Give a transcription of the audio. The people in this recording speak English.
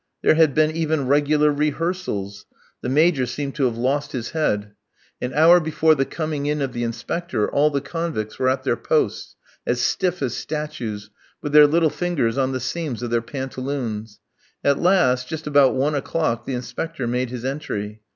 There had been even regular rehearsals. The Major seemed to have lost his head. An hour before the coming in of the Inspector, all the convicts were at their posts, as stiff as statues, with their little fingers on the seams of their pantaloons. At last, just about one o'clock the Inspector made his entry.